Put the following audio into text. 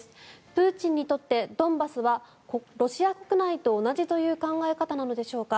プーチンにとってドンバスはロシア国内と同じという考え方なんでしょうか。